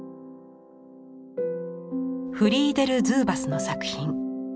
フリーデル・ズーバスの作品。